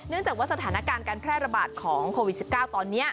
จากว่าสถานการณ์การแพร่ระบาดของโควิด๑๙ตอนนี้